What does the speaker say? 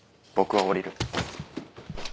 僕は降りる。